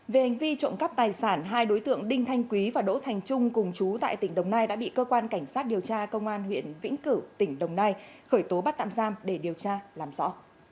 về hành vi trộm cắp tài sản hai đối tượng đinh thanh quý và đỗ thành trung cùng chú tại tỉnh đồng nai đã bị cơ quan cảnh sát điều tra công an huyện vĩnh cửu tỉnh đồng nai khởi tố bắt tạm giam để điều tra làm rõ